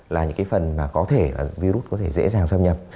là những cái phần mà có thể là virus có thể dễ dàng xâm nhập